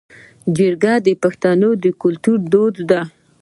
جرګه د پښتنو د ټولنې دود دی